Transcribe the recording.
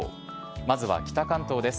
まずは北関東です。